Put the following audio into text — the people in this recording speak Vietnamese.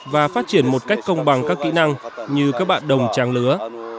và phát triển một cách công bằng các kỹ năng như các bạn đồng trang lứa